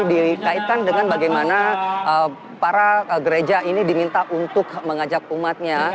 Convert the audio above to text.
dikaitkan dengan bagaimana para gereja ini diminta untuk mengajak umatnya